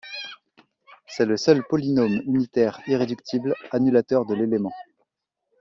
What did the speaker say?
C'est le seul polynôme unitaire irréductible annulateur de l'élément.